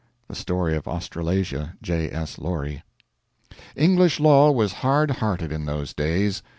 [The Story of Australasia. J. S. Laurie.] English law was hard hearted in those days.